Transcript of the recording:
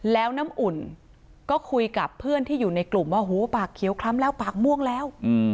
แล้วน้ำอุ่นก็คุยกับเพื่อนที่อยู่ในกลุ่มว่าโหปากเขียวคล้ำแล้วปากม่วงแล้ว